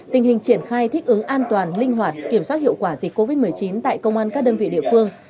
tình hình triển khai thích ứng an toàn linh hoạt kiểm soát hiệu quả dịch covid một mươi chín tại công an các đơn vị địa phương